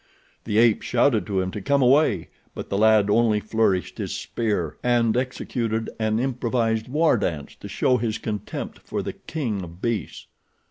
The ape shouted to him to come away, but the lad only flourished his spear and executed an improvised war dance to show his contempt for the king of beasts.